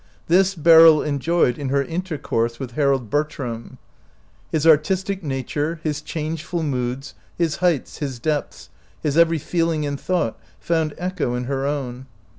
This Beryl enjoyed in her intercourse with Harold Bertram. His artistic nature, his changeful moods, his heights, his depths, his every feeling and thought found echo in her own.